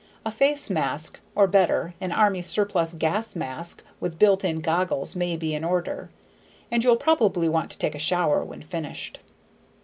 A face mask, or better, an army surplus gas mask with built in goggles, may be in order. And you'll probably want to take a shower when finished.